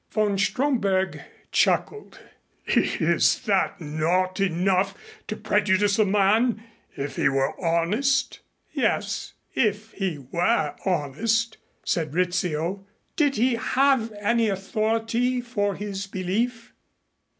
Von Stromberg chuckled. "Is not that enough to prejudice a man if he were honest?" "Yes, if he were honest," said Rizzio. "Did he have any authority for his belief?"